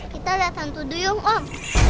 kita lihat santu duyung om